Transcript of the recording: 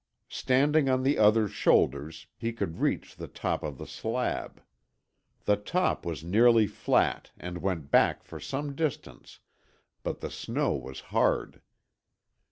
Standing on the other's shoulders, he could reach the top of the slab. The top was nearly flat and went back for some distance, but the snow was hard.